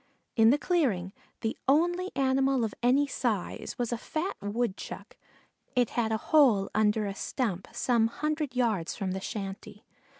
In the clearing, the only animal of any size was a fat Woodchuck; it had a hole under a stump some hundred yards from the shanty.